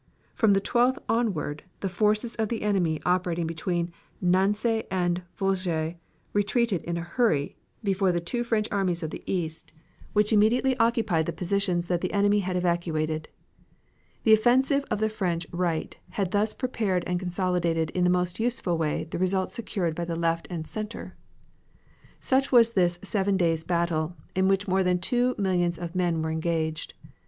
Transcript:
From the 12th onward the forces of the enemy operating between Nancy and the Vosges retreated in a hurry before the two French armies of the East, which immediately occupied the positions that the enemy had evacuated. The offensive of the French right had thus prepared and consolidated in the most useful way the result secured by the left and center. Such was this seven days' battle, in which more than two millions of men were engaged.